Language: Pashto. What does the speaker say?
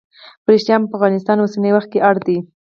په ریښتیا هم افغانستان اوسنی وخت کې اړ دی.